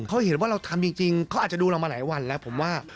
เขาเห็นว่าเราทำจริงเขาอาจจะดูเรามาหลายวันแล้วผมว่า